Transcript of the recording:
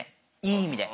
いい意味で。